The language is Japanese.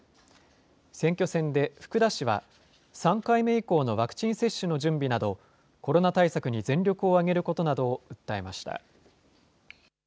選挙戦で福田氏は、３回目以降のワクチン接種の準備など、コロナ対策に全力を挙げることなどを訴えました。